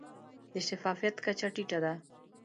د شفافیت کچه ټیټه ده.